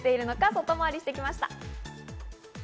外回りしてきました。